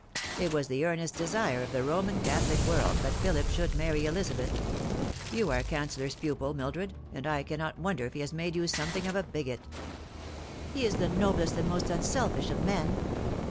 It was the earnest desire of the Roman Catholic world that Philip should marry Elizabeth. You are Cancellor's pupil, Mildred, and I cannot wonder if he has made you something of a bigot." " He is the noblest and most unselfish of men."